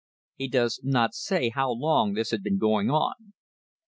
He does not say how long this had been going on.